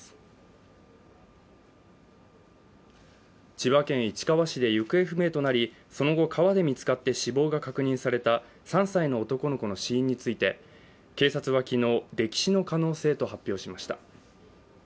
千葉県市川市で行方不明となりその後、川で見つかって死亡が確認された３歳の男の子の死因について、警察は昨日、溺死の可能性と発表しました。